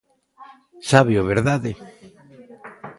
Sábeo, verdade?